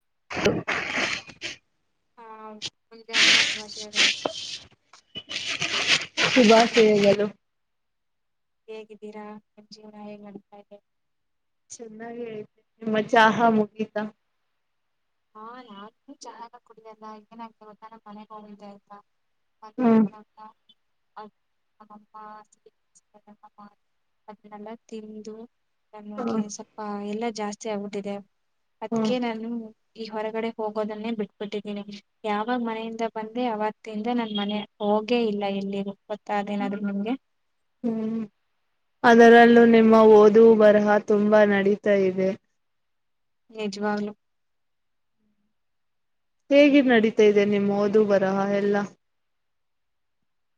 [unintelligible] ಆ ಮುಂಜಾನೆ ಎಷ್ಟ್ ನಶೆ ಅದಿಲೊ [inaudible] ಹೇಗಿದ್ದೀರ ಮತ್ತ ಜೀವನ ಹೇಗ್ ನಡೀತಾ ಇದೆ ಚೆನ್ನಾಗಿ ಹ್ಮ್ ಚಹಾ ಮುಗಿತಾ [unintelligible] ಮನೆಗೆ [unintelligible] [inaudible] [unintelligible] ಹ್ಮ್ ಅದನೆಲ್ಲಾ ತಿಂದು [inaudible] ಹ್ಮ್ ಎಲ್ಲಾ ಜಾಸ್ತಿ ಚಾ [unintelligible] ಹ್ಮ್ ಅದ್ಕೆ ನಾನು ಈಗ ಹೊರಗಡೆ ಹೋಗೋದನ್ನೆ ಬಿಟ್ಟಬಿಟ್ಟಿದಿನಿ ಯಾವಾಗ ಮನೆಯಿಂದ ಬಂದೆ ಅವತ್ತಿಂದ ನಾನ್ ಮನೆ ಹೋಗೆ ಇಲ್ಲ ಎಲ್ಲಿಗಿ [unintelligible] ಹ್ಮ್ ಅದರಲ್ಲೂ ನಿಮ್ಮ ಓದು ಬರಹ ತುಂಬಾ ನಡೀತಾ ಇದೆ ನಿಜ್ವಾಗ್ಲೂ ಹೇಗೆ ನಡೀತಾ ಇದೆ ನಿಮ್ಮ ಓದು ಬರಹ ಎಲ್ಲ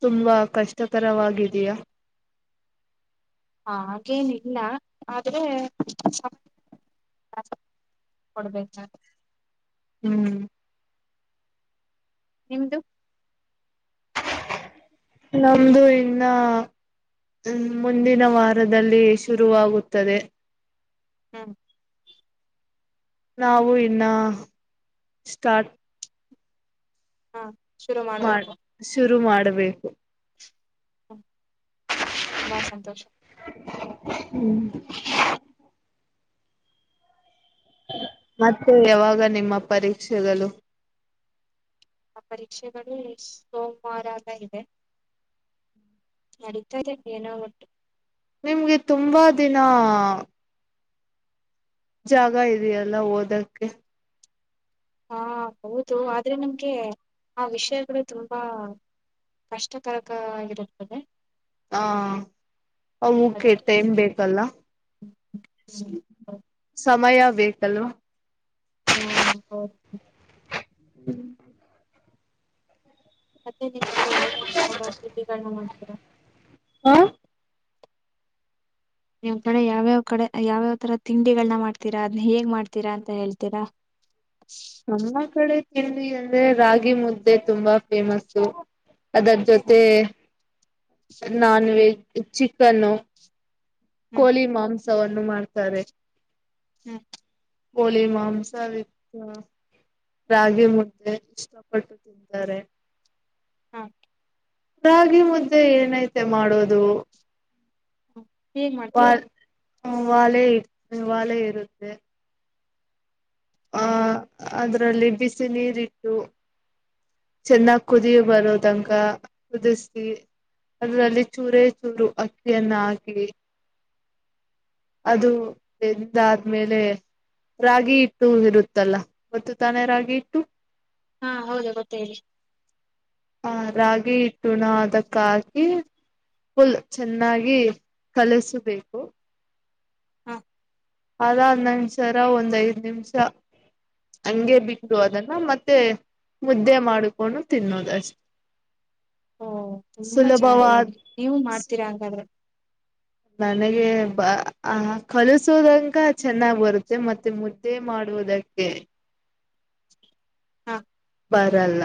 ತುಂಬಾ ಕಷ್ಟಕರವಾಗಿದಯ [unintelligible] ಹಮ್ ನಿಮ್ದು ನಮ್ದು ಇನ್ನ ಹುಂ ಮುಂದಿನ ವಾರದಲ್ಲಿ ಶುರುವಾಗುತ್ತದೆ ಹಮ್ ನಾವು ಇನ್ನ -ಸ್ಟಾಟ್ ಅ ಶುರು ಮಾಡಬೇಕು ಇದ್ ಮಾಡಬೇಕು [unintelligible] ತುಂಬಾ ಸಂತೋಷ ಹೂ ಮತ್ತೆ ಯಾವಾಗ ನಿಮ್ಮ ಪರೀಕ್ಷೆಗಳು ಆ ಪರೀಕ್ಷೆಗಳು ನೆಕ್ಸ್ಟ್ ಸೋಮವಾರ ಇದೆ ನಡಿತಾ ಇದೆ ಏನೋ ಓಟ್ ನಿಮಗೆ ತುಂಬಾ ದಿನಾ ಜಾಗ ಇದೆ ಎಲ್ಲ ಓದಕ್ಕೆ ಹಾ ಹೌದು ಆದ್ರೆ ನಿಮಗೆ ಆ ವಿಷಯಗಳು ತುಂಬಾ - ಕಷ್ಟಕರಕ ಆಗಿರುತ್ತದೆ ಅದಕ್ಕೆ [unintelligible] [inaudible] ಸಮಯ ಬೇಕಲ್ವಾ [unintelligible] [inaudible] [unintelligible] [inaudible] [unintelligible] ನಿಮ್ ಕಡೆ ಎಲ್ಲ ಯಾವ್ ಯಾವ್ ತರ ತಿಂಡಿ ಮಾಡ್ತೀರಾ ಅದೆಲ್ಲ ಹೇಗ್ ಮಾಡುತ್ತೀರಾ ಅಂತ ಹೇಳ್ತೀರಾ ನಮ್ಮ ಕಡೆ ತಿಂಡಿ ಅಂದ್ರೆ ರಾಗಿ ಮುದ್ದೆ ತುಂಬಾ ಫೇಮಸ್ಸು ಅದರ ಹ್ಮ್ ಜೊತೆ ನಾನ್ ಹ್ಮ್ ವೆಜ್ [unintelligible] ಹ್ಮ್ ಕೋಳಿ ಮಾಂಸ ತವನ್ನು ಮಾಡ್ತಾರೆ ಹ್ಮ್ ಕೋಳಿ ಮಾಂಸ ವಿತ್ ರಾಗಿಮುದ್ದೆ ಇಷ್ಟ ಪಟ್ಟು ತಿನ್ನುತ್ತಾರೆ ಹ್ ರಾಗಿಮುದ್ದೆ ಏನಾಯ್ತೆ ಮಾಡೋದು ಹೇಗ್ ಮಾಡ್ತೀರಾ ಒಲೆ ಇರುತ್ತೆ ಹ ಅದರಲ್ಲಿ ಬಿಸಿ ನೀರು ಇಟ್ಟು ಚೆನ್ನಾಗಿ ಕುದಿ ಬರುವ ತನಕ ಕುದಿಸಿ ಅದರಲ್ಲಿ ಚೂರೇಚೂರು ಅಕ್ಕಿಯನ್ನು ಹಾಕಿ ಅದು ಬೆಂದಾದ ಮೇಲೆ ರಾಗಿ ಇಟ್ಟು ಇರುತ್ತಲ್ಲ ಗೊತ್ತು ತಾನೆ ರಾಗಿ ಹಿಟ್ಟು ಹಾ ಹೌದು ಗೊತ್ತು ಹೇಳಿ ರಾಗಿ ಹಿಟ್ಟನ್ನು ಅದಕ್ಕೆ ಹಾಕಿ ಫುಲ್ ಚೆನ್ನಾಗಿ ಕಲಿಸಬೇಕು ಹಾ ಅದಾದ ನಂತರ ಒಂದು ಐದು ನಿಮಿಷ ಹಂಗೆ ಬಿಟ್ಟು ಅದನ್ನ ಮತ್ತೆ ಮುದ್ದೆ ಮಾಡಿಕೊಂಡು ತಿನ್ನೋದು ಅಷ್ಟೇ ಓ ತುಂಬಾ ಚೆನ್ನಾಗಿ ಹೇಳಿದ್ದೀರಾ ನೀವು ಮಾಡ್ತೀರಾ ಅಂಗಾದ್ರೆ ನನಗೆ ಕಲುಸುತನಕ ಚೆನ್ನಾಗಿ ಬರುತ್ತೆ ಮತ್ತೆ ಮುದ್ದೆ ಮಾಡುವುದಕ್ಕೆ ಹ್ ಬರಲ್ಲ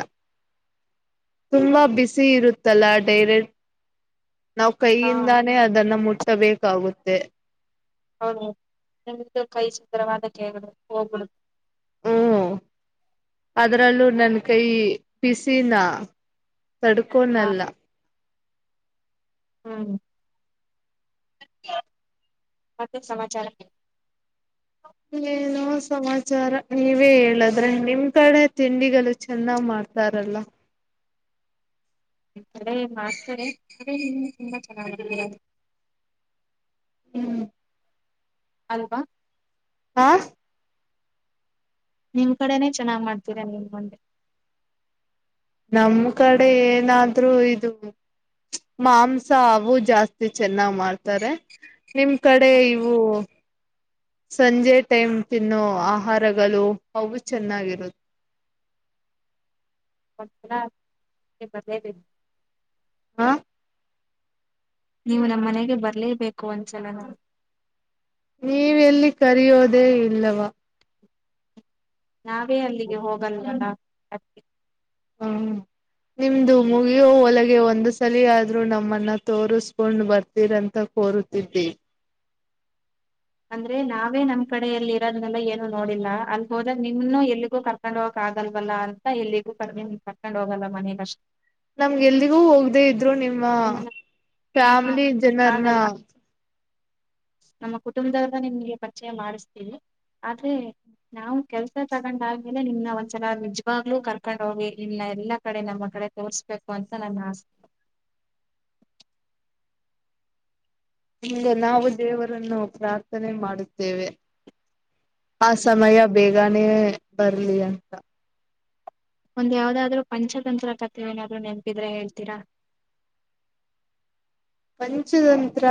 ತುಂಬಾ ಬಿಸಿ ಇರುತ್ತಲ ಡೈರೆಕ್ಟ್ ನಾವು ಹಾ ಕೈಯಿಂದನೇ ಅದನ್ನ ಮುಟ್ಟ ಬೇಕಾಗುತ್ತೆ [unintelligible] ಹು ಅದರಲ್ಲೂ ನನ್ನ ಕೈ ಬಿಸಿನಾ ಹಾ ತಡಕೊಳ್ಳಲ್ಲ ಮತ್ತೆ ಏನು ಸಮಾಚಾರ ಏನು ಇಲ್ಲ ಸಮಾಚಾರ ನೀವೇ ಹೇಳ್ಬೇಕು ನಿಮ್ ಕಡೆ ಎಲ್ಲ ತಿಂಡಿ ಚೆನ್ನಾಗಿ ಮಾಡುತ್ತಾರೆ ನಿಮ್ ಕಡೆ ಮಾಡ್ತಾರೆ ಅದೇ ನೀವು ತುಂಬಾ ಚೆನ್ನಾಗಿ ಮಾಡ್ತೀರಾ ಹ್ಮ್ [unintelligible] ಹಾ ನಿಮ್ಮ ಕಡೆನೇ ಚೆನ್ನಾಗಿ ಮಾಡುತ್ತಾರೆ ನಮ್ ಕಡೆ ಏನಾದರೂ ಇದು ಮಾಂಸವು ಜಾಸ್ತಿ ಚೆನ್ನಾಗಿ ಮಾಡುತ್ತಾರೆ ನಿಮ್ಮ ಕಡೆಯೂ ಸಂಜೆ ಟೈಮ್ ತಿನ್ನೋ ಆಹಾರ ಗಳು ಚೆನ್ನಾಗಿರುತ್ತದೆ [unintelligible] ಹಾ ನೀವು ನಮ್ ಮನೆಗೆ ಬರಲೇಬೇಕು ಒಂದ್ಸಲನಾದರೂ ನೀ ಎಲ್ಲಿ ಕರೆದೆ ಇಲ್ಲವಾ ನಾವೇ ಅಲ್ಲಿಗೆ ಹೋಗೋದಿಲ್ಲ ಅಲ್ವಾ ನಿಮ್ಮದು ಮುಗಿದು ರೊಳಗೆ ಒಂದು ಸಾರಥಿ ಆದರೂ ತೋರಿಸಿಕೊಂಡು ಬರ್ತೀರ ಅಂತ ಕೋರುತ್ತಿದ್ದೇವೆ ಅಂದ್ರೆ ನಾವೇ ನಮ್ ಕಡೆ ಇರಲ ನಮಗೆ ಎಲ್ಲಿಗೂ ನಿಮ್ಮ ನಿಮ್ಮನ್ನ ಪುನಃ ಫ್ಯಾಮಿಲಿ ಜನರನ್ನು ಹಾಗಲ್ಲ ನಮ್ಮ ಕುಟುಂಬದಲ್ಲಿ ನಿಮಗೆ ಪರಿಚಯ ಮಾಡುತ್ತೇನೆ ಆದರೆ ನಾವು ಕೆಲಸ ತಗೊಂಡು ಆದಮೇಲೆ ನಿಜವಾಗ್ಲೂ ಕರ್ಕೊಂಡು ಹೋಗಿ ನಿಮಗೆ ಎಲ್ಲಾ ಕಡೆ ತೋರಿಸ್ತೇವೆ. ಬೇಕಂತಲೇ ನಮ್ಮ ಆಸೆ ಇಂದು ನಾವು ದೇವರನ್ನು ಪ್ರಾರ್ಥನೆ ಮಾಡುತ್ತೇವೆ ಆ ಸಮಯ ಬೇಕ ಬರ್ಲಿ ಅಂತ ಒಂದು ಯಾವುದಾದರೂ ಪಂಚತಂತ್ರ ಕಥೆ ಗೊತ್ತಿದ್ರೆ ಹೇಳ್ತೀರಾ ಪಂಚತಂತ್ರ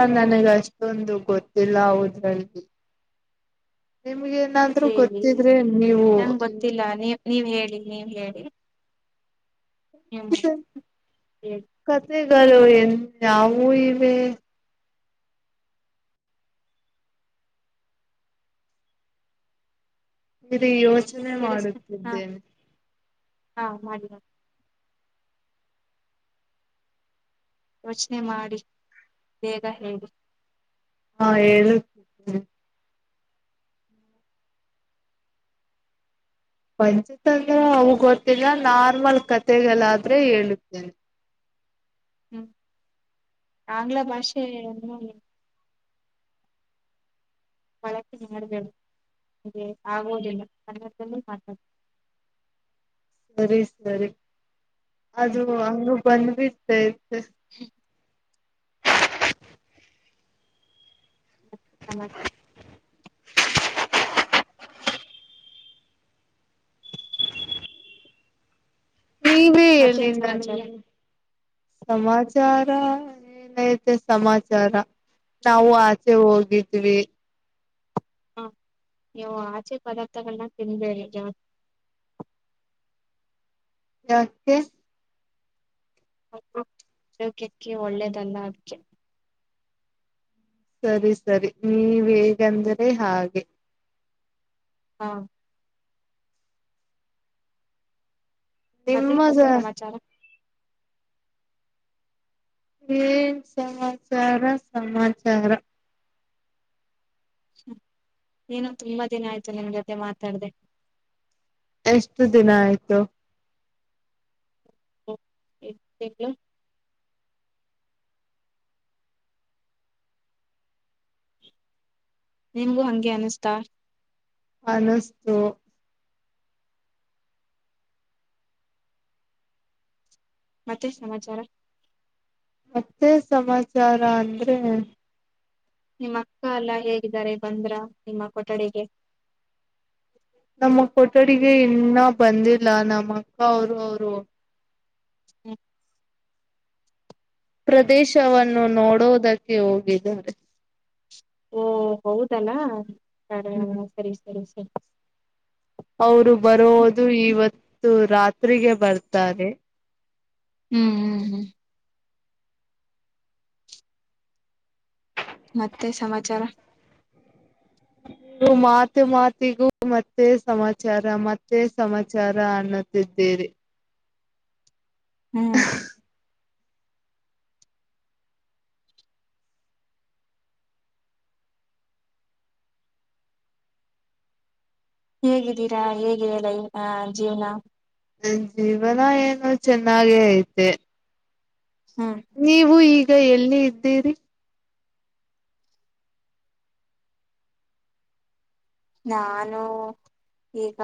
ಅಷ್ಟೊಂದು ಏನು ಗೊತ್ತಿಲ್ಲ ನಮಗೆ ಹೇಳಿ ನಮಗೆ ಗೊತ್ತಿಲ್ಲ ನೀವು ಹೇಳಿ ನೀವು ಹೇಳಿ [unintelligible] [unintelligible] [unintelligible] ಯೋಚನೆ ಕೇಳಿಸ್ ಹಾ ಮಾಡುತ್ತಿದ್ದೇನೆ [unintelligible] ಯೋಚನೆ ಮಾಡಿ ಬೇಗ ಹೇಳಿ ಹೇಳುತ್ತಿದ್ದೇನೆ ಪಂಚತಂತ್ರ ಗೊತ್ತಿಲ್ಲ ನಾರ್ಮಲ್ ಕಥೆಗಳಾದರೆ ಹೇಳುತ್ತೇವೆ ಆಂಗ್ಲ ಭಾಷೆಯನ್ನು [unintelligible] [unintelligible] ಹ್ಮ್ [unintelligible] [unintelligible] [unintelligible] [unintelligible] ನೀವೇ ಹೇಳಿ ಮತ್ತೇನು ಸಮಾಚಾರ ನನಗೆ ಸಮಾಚಾರ ಏನಿದೆ ಸಮಾಚಾರ ನಾವು ಆಚೆ ಹೋಗಿದ್ವಿ ಯು ಆಚೆಯ ಪದಾರ್ಥಗಳನ್ನು ತಿನ್ನಬೇಡಿ ಯಾಕೆ ಹೌದು ಆರೋಗ್ಯಕ್ಕೆ ಒಳ್ಳೆಯದಲ್ಲ ಅದಕ್ಕೆ ಸರಿ ಸರಿ ನೀವು ಹೇಗಂದರಿ ಹಾಗೆ ಹ್ಮ್ ಮತ್ತೆ ನಿಮ್ಮ ಸ- ಸಮಾಚಾರ ಏನ್ ಸಮಾಚಾರ ಸಮಾಚಾರ ಏನ್ ತುಂಬಾ ದಿನ ಆಯ್ತು ನಿನ್ನ ಜೊತೆ ಮಾತಾಡದೇ ಎಷ್ಟು ದಿನ ಆಯ್ತು ಎಂಟು ತಿಂಗಳು ನಿಂಗೇ ಅನ್ಸುತ್ತಾ ಅನ್ಸ್ತು ಮತ್ತೆ ಸಮಾಚಾರ ಮತ್ತೆ ಸಮಾಚಾರ ಅಂದ್ರೆ ನಿಮ್ಮ ಅಕ್ಕ ಎಲ್ಲಾ ಹೇಗಿದ್ದಾರೆ ಬಂದ್ರ ನಿಮ್ಮ ಕೊಠಡಿಗೆ ನಮ್ಮ ಕೊಠಡಿಗೆ ಇನ್ನ ಬಂದಿಲ್ಲ ನಮ್ಮ ಅಕ್ಕ ಅವರು ಅವರು ಹ್ಮ ಪ್ರದೇಶವನ್ನು ನೋಡೋದಕ್ಕೆ ಹೋಗಿದ್ದಾರೆ ಓ ಹೌದೇನ ಹ ಹ್ಮ್ ಸರಿ ಸರಿ ಸರಿ [inaudible] ಅವರು ಬರೋದು ಇವತ್ತು ರಾತ್ರಿ ತ್ರಿಗೆ ಬರ್ತಾರೆ ಹ್ಮ್ ಹ್ಮ್ ಹ್ಮ್ ಮತ್ತೆ ಸಮಾಚಾರ ನೀವು ಮಾತು ಮಾತಿಗೂ ಮತ್ತೆ ಸಮಾಚಾರ ಮತ್ತೆ ಸಮಾಚಾರ ಅನ್ನುತ್ತಿದ್ದೀರಿ ಹ್ಮ್ ಹೇಗಿದ್ದೀರಾ ಹೇಗಿದೆ ಲೈವ ಅ ಜೀವ್ನ ಜೀವನ ಏನು ಚೆನ್ನಾಗೇ ಐತೆ ಹ್ಮ್ ನೀವು ಇಗ ಈಗ ಎಲ್ಲಿ ಇದ್ದೀರಿ ನಾನು ಈಗ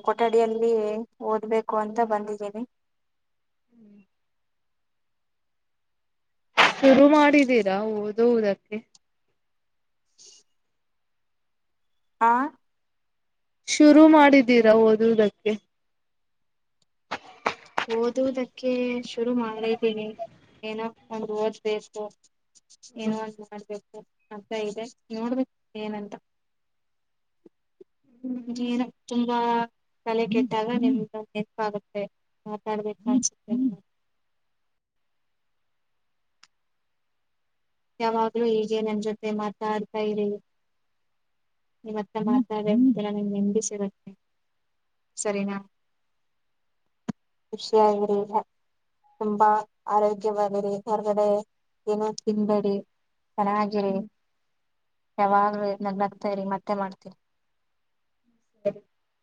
ಕೊಠಡಿಯಲ್ಲಿ ಓದ್ಬೇಕು ಅಂತ ಬಂದಿದ್ದೀನಿ ಶುರು ಮಾಡಿದೀರಾ ಓದುವದಕ್ಕೆ ಆ ಶುರು ಮಾಡಿದ್ದೀರಾ ಓದುದಕ್ಕೆ ಓದುವುದಕ್ಕೆ ಶುರು ಮಾಡಿದ್ದೀನಿ ಏನ ಒಂದು್ ಓದ್ಬೇಕು ಏನೋ ಒಂದು ಮಾಡ್ಬೇಕು ಮದ ಇದೆ ನೋಡ್ಬೇಕ ಏನಂತ ರಚ ತುಂಬ ಕಲೆ ಕೆಟ್ಟಾಗ ನಿಮ್ದ ನೆಪ ಆಾಗುತ್ತೆ ಮಾತಾಡ್ಬೇಕು ಅನ್ಸುತ್ತೆ ಯಾವಾಗ್ಲೂ ಹೀಗೆ ನನ್ನ ಜೊತೆ ಮಾತಾಡ್ತಾ ಇರಿ ನಿವತ್ತೆ ಮತ್ತೆ ಮಾತಾಡಿ ನೆಮ್ಮದಿ ಸಿಗುತ್ತೆ ಸರಿನಾ ಖುಷಿಯಾಗಿರಿ ತುಂಬಾ ಆರೋಗ್ಯವಾಗಿರಿ ಹೊರಗಡೆ ಏನ ತಿನ್ಬೇಡಿ ಚೆನ್ನಾಗಿರಿ ಹ್ಮ್ ಯಾವಾಗ್ ನಗ್ನಗ್ತಾ ಸರಿ ಮತ್ತೆ ಮಾಡ್ತೀರಿ ಸರಿ